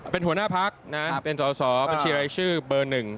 เป็นหัวหน้าพักนะเป็นสอสอบัญชีรายชื่อเบอร์๑